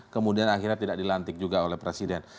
kemudian akhirnya tidak dilantik juga oleh presiden